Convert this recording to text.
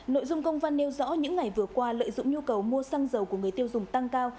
nội dung công văn nêu rõ những ngày vừa qua lợi dụng nhu cầu mua xăng dầu của người tiêu dùng tăng cao